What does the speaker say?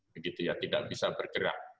begitu ya tidak bisa bergerak